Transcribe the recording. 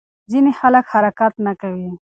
ځینې خلک حرکت نه کوي.